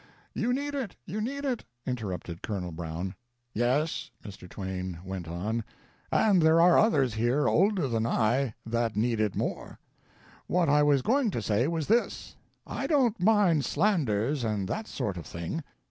[You need it, you need it," interrupted Col. Brown.] "Yes," Mr. Twain went on, "and there are others here older than I that need it more. What I was going to say was this: I don't mind slanders and that sort of thing.